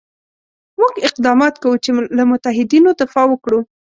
موږ اقدامات کوو چې له متحدینو دفاع وکړو.